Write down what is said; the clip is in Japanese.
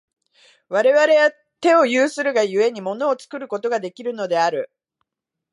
我々は手を有するが故に、物を作ることができるのである。